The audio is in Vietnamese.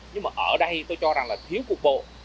nhưng mà ở đây tôi cho rằng là thiếu cục bộ